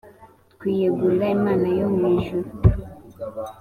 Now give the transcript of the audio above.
twiyegurira imana yo mu ijuru